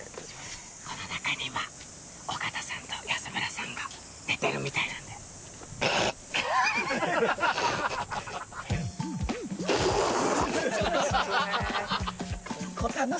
この中に今尾形さんと安村さんが寝てるみたいなんでああっブー！